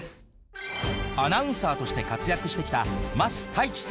アナウンサーとして活躍してきた桝太一さん。